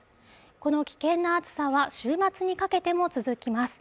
この危険な暑さは週末にかけても続きます